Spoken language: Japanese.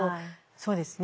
そうですね。